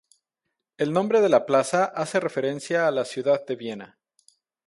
El nombre de la plaza hace referencia a la ciudad de Viena.